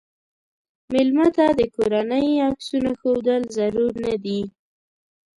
مېلمه ته د کورنۍ عکسونه ښودل ضرور نه دي.